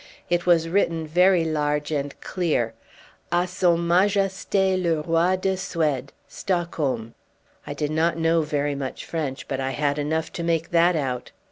It was written very large and clear: A SON MAJESTE, LE ROI DE SUEDE, STOCKHOLM. I did not know very much French, but I had enough to make that out.